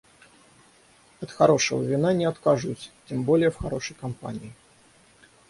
От хорошего вина не откажусь, тем более в хорошей компании.